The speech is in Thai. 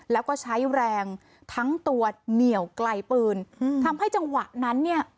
แล้วก็ใช้แรงทั้งตัวเหนียวไกลปืนอืมทำให้จังหวะนั้นเนี่ย